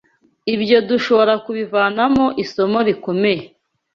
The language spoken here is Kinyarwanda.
Ibyo dushobora kubivanamo isomo rikomeye.